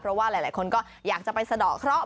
เพราะว่าหลายคนก็อยากจะไปสะดอกเคราะห